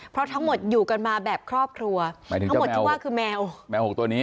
เพราะทั้งหมดอยู่กันมาแบบครอบครัวทั้งหมดที่ว่าคือแมว